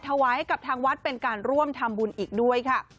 ถวายให้กับทางวัดเป็นการร่วมทำบุญอีกด้วยค่ะ